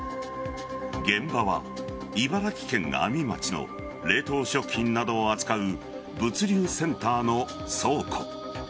現場は茨城県阿見町の冷凍食品などを扱う物流センターの倉庫。